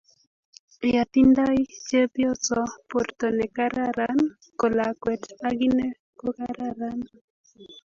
ya tindai chepyoso porto ne kararan ko lakwet ak ine ko kararan